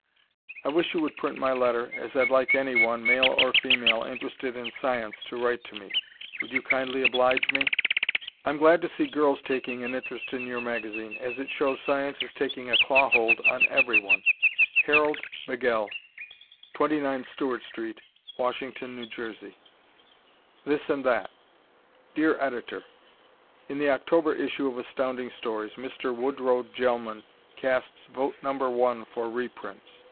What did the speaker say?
I wish you would print my letter, as I'd like any one, male of female, interested in science to write to me. Would you kindly oblige me? I'm glad to see girls taking interest in your magazine, as it shown science is taking a claw hold on everyone Harold BegGell, 29 Stewart St., Washington, N. J. This and That Dear Editor: In the October issue of Astounding Stories, Mr. Woodrow Gelman casts vote No. 1 for reprints.